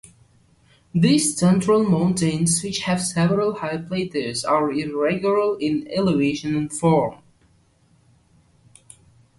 These central mountains, which have several high plateaus, are irregular in elevation and form.